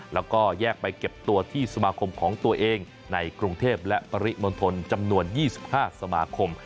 แล้วก็แยกไปเก็บตัวที่สมาคมของตัวเองในกรุงเทพและปริมณฑลจำนวน๒๕สมาคม